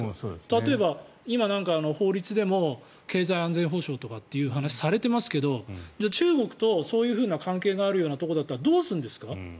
例えば今なんか法律でも経済安全保障って話をされていますけどじゃあ、中国とそういう関係があるようなところだったらどうするんですか？